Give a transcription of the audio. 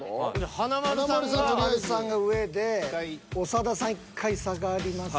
華丸さんが上で長田さん１回下がります？